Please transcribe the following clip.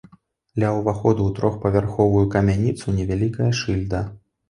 Ля ўваходу ў трохпавярховую камяніцу невялікая шыльда.